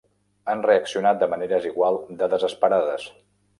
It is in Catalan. Han reaccionat de maneres igual de desesperades.